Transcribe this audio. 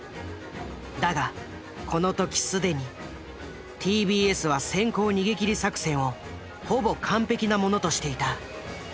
だがこの時既にＴＢＳは先行逃げ切り作戦をほぼ完璧なものとしていた。